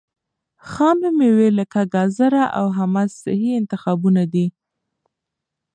خامې مېوې لکه ګاځره او حمص صحي انتخابونه دي.